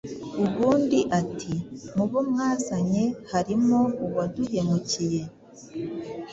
ubundi ati: “Mu bo mwazanye harimo uwaduhemukiye”